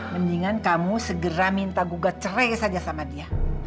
mendingan kamu segera minta gugat cerai saja sama dia